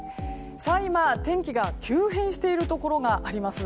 今、天気が急変しているところがあります。